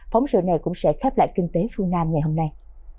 phóng sự này cũng sẽ khép lại kinh tế phương nam ngày hôm nay